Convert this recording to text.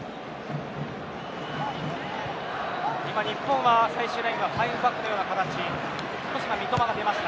日本は最終ラインは５バックのような形。